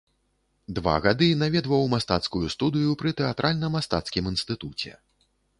Два гады наведваў мастацкую студыю пры тэатральна-мастацкім інстытуце.